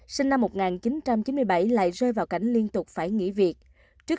sinh năm một nghìn chín trăm chín mươi bảy lại rơi vào cảnh liên tục phải nghỉ việc trước